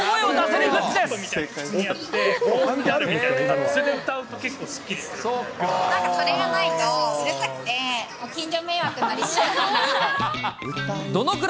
なんかそれがないと、うるさくて、ご近所迷惑になりそうだから。